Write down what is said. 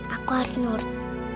aku harus nurut